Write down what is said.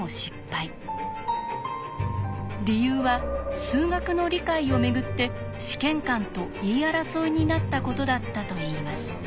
理由は数学の理解をめぐって試験官と言い争いになったことだったといいます。